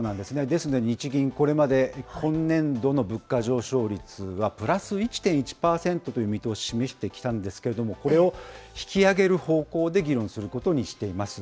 ですので日銀、これまでの物価上昇率はプラス１．１％という見通しを示してきたんですけれども、これを引き上げる方向で議論することにしています。